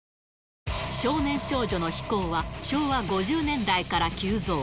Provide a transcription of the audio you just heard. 少年少女の非行は昭和５０年代から急増。